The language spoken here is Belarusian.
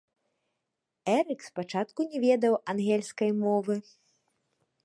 Эрык спачатку не ведаў англійскай мовы.